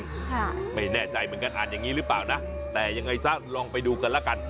ค่ะไม่แน่ใจเหมือนกันอ่านอย่างงี้หรือเปล่านะแต่ยังไงซะลองไปดูกันแล้วกัน